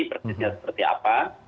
persisnya seperti apa